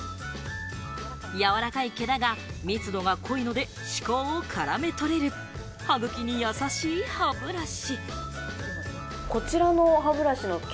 柔らかい毛だが、密度が濃いので歯垢を絡め取れる、歯茎に優しい歯ブラシ。